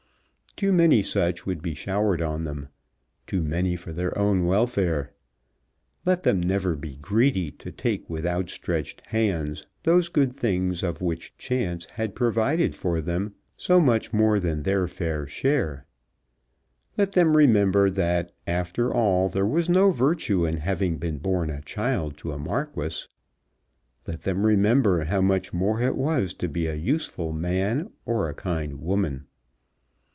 Too many such would be showered on them, too many for their own welfare. Let them never be greedy to take with outstretched hands those good things of which Chance had provided for them so much more than their fair share. Let them remember that after all there was no virtue in having been born a child to a Marquis. Let them remember how much more it was to be a useful man, or a kind woman.